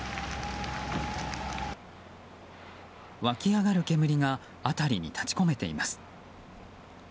湧き上がる煙が辺りに立ち込めています。